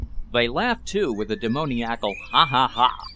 They laugh too, with a demoniacal "Ha! ha! ha!"